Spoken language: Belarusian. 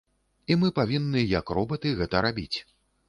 І мы павінны як робаты гэта рабіць.